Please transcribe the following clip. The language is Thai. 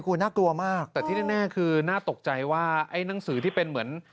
น่ากลัวมากแต่ที่แน่คือน่าตกใจว่าไอ้หนังสือที่เป็นเหมือน